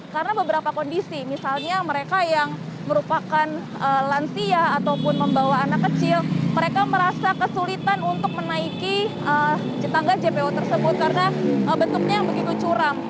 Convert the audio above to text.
karena beberapa kondisi misalnya mereka yang merupakan lansia ataupun membawa anak kecil mereka merasa kesulitan untuk menaiki tangga jpo tersebut karena bentuknya begitu curang